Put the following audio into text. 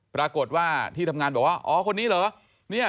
ปรากฏว่าที่ทำงานบอกว่าอ๋อคนนี้เหรอ